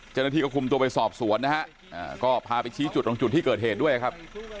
เจ้าหน้าที่ก็คุมตัวไปสอบสวนนะฮะก็พาไปชี้จุดตรงจุดที่เกิดเหตุด้วยครับ